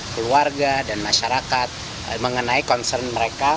keluarga dan masyarakat mengenai concern mereka